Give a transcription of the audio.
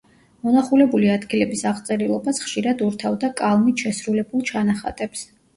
მონახულებული ადგილების აღწერილობას ხშირად ურთავდა კალმით შესრულებულ ჩანახატებს.